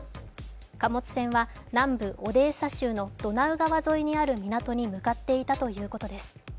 貨物船は南部オデーサ州のドナウ川沿いにある港に向かっていたということです。